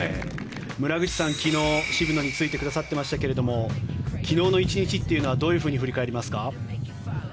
村口さん、昨日、渋野についてくださっていましたが昨日の１日というのはどういうふうに振り返りますか。